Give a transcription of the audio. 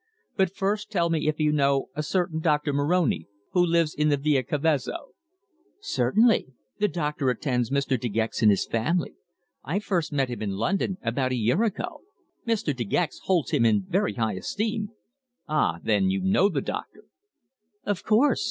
"But first tell me if you know a certain Doctor Moroni, who lives in the Via Cavezzo?" "Certainly. The doctor attends Mr. De Gex and his family. I first met him in London, about a year ago. Mr. De Gex holds him in very high esteem." "Ah! Then you know the doctor." "Of course.